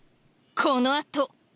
このあと。